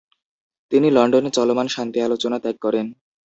তিনি লন্ডনে চলমান শান্তি আলোচনা ত্যাগ করেন।